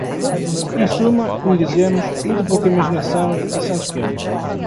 Em suma, como dizemos, muito pouca imaginação e repetição de esquemas.